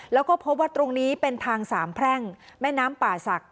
แล้วก็พบว่าตรงนี้เป็นทางสามแพร่งแม่น้ำป่าศักดิ